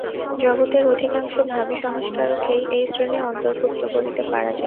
জগতের অধিকাংশ ভাবী সংস্কারককেই এই শ্রেণীর অন্তর্ভুক্ত করিতে পারা যায়।